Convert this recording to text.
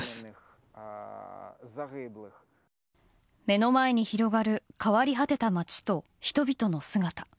目の前に広がる変わり果てた街と人々の姿。